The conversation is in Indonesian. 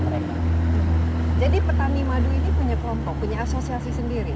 jadi petani madu ini punya kelompok punya asosiasi sendiri